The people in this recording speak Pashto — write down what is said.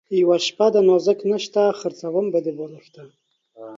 یوه شپه ده نازک نسته ـ خرڅوم به دې بالښته